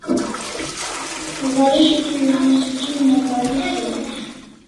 Waresho tu university una paris e?